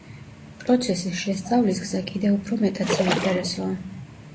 პროცესის შესწავლის გზა კიდევ უფრო მეტად საინტერესოა.